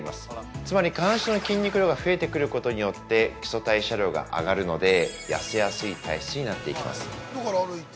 つまり下半身の筋肉量が増えてくることによって基礎代謝量が上がるので、痩せやすい体質になっていきます。